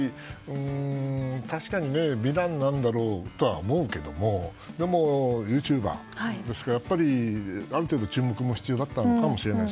確かに美談なんだろうとは思うけどもユーチューバーですからある程度、注目も必要だったのかもしれない。